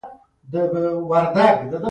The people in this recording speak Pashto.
د حساب ماشین کار اسانوي.